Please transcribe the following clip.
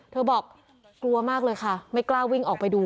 บอกกลัวมากเลยค่ะไม่กล้าวิ่งออกไปดู